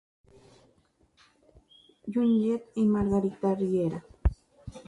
Junyent' y 'Margarita Riera'.